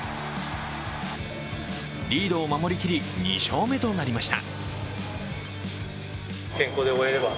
リードを守りきり２勝目となりました。